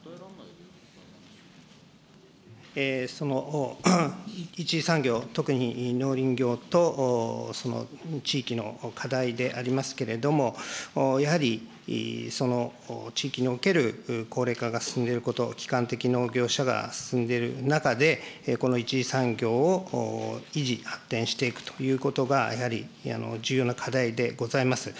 その一次産業、特に農林業と、その地域の課題でありますけれども、やはり、地域における高齢化が進んでいること、きかん的農業者が進んでいる中で、この一次産業を維持、発展していくということが、やはり重要な課題でございます。